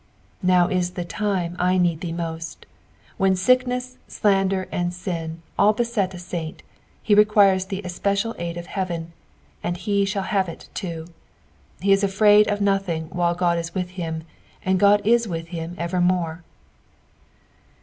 Now Is the time I need thee most. When dckneas, slander, and sin, all beset a saint, he requires the especial aid of heaven, and he shall have it too. He is afraid of nothing while Qod ia with him, and Ood is with him evermore.